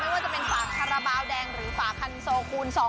ไม่ว่าจะเป็นฝาขระบาวแดงหรือฝาคันโซคูล๒